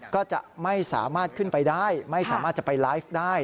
ก็จะไม่สามารถขึ้นไปได้ไม่สามารถจะไปไลฟ์ได้